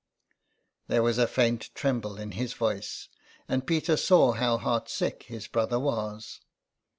There was a faint tremble in his voice, and Peter saw how heartsick his brother was.